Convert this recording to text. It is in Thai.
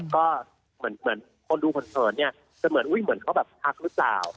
ก็เหมือนคนดูเผินเนี่ยจะเหมือนอุ๊ยเหมือนเขาแบบทักหรือเปล่า